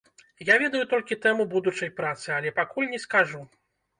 Я ведаю толькі тэму будучай працы, але пакуль не скажу.